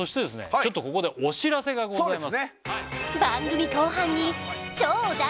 ちょっとここでお知らせがございます